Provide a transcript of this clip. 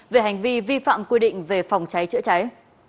về hành vi vi phạm quy định về phòng cháy chữa cháy